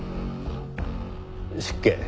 失敬。